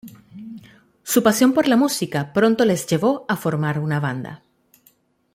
Su pasión por la música pronto les llevó a formar una banda.